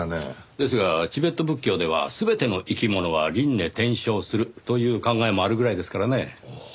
ですがチベット仏教では全ての生き物は輪廻転生するという考えもあるぐらいですからね。